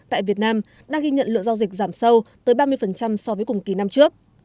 tại việt nam đang ghi nhận lượng giao dịch giảm sâu tới ba mươi so với cùng kỳ năm trước